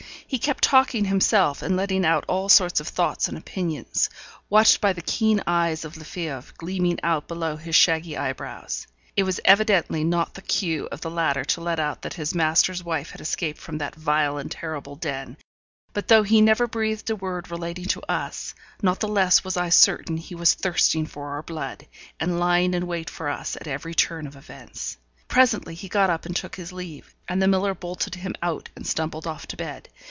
He kept talking himself, and letting out all sorts of thoughts and opinions; watched by the keen eyes of Lefebvre gleaming out below his shaggy eyebrows. It was evidently not the cue of the latter to let out that his master's wife had escaped from that vile and terrible den; but though he never breathed a word relating to us, not the less was I certain he was thirsting for our blood, and lying in wait for us at every turn of events. Presently he got up and took his leave; and the miller bolted him out, and stumbled off to bed.